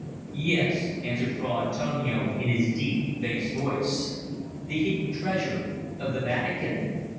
"Yes," answered Fra Antonio in his deep, bass voice. "The hidden treasure of the Vatican.